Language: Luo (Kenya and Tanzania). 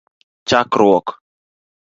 chakruok